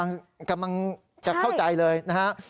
มันกำลังจะเข้าใจเลยนะครับ